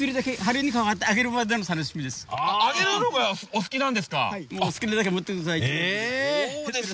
あげるのがお好きなんですか。